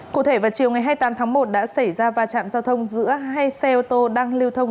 cụ thể vào chiều ngày hai mươi tám tháng một đã xảy ra va chạm giao thông giữa hai xe ô tô đang lưu thông